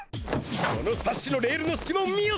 このサッシのレールのすきまを見よ！